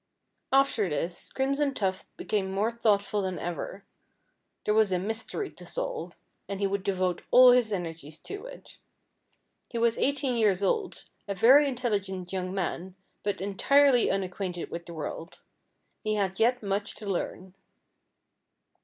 After this, Crimson Tuft became more thoughtful than ever. There was a mystery to solve, and he would devote all his energies to it. He was eighteen years old, a very intelligent young man, but entirely unacquainted with the world. He had yet much to learn.